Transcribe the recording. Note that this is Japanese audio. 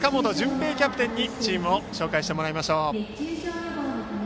平キャプテンにチームを紹介してもらいましょう。